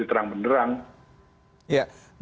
semuanya menjadi terang benerang